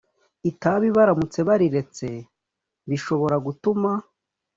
itabi baramutse bariretse bishobora gutuma